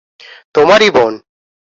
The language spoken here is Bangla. তোমারই বোন!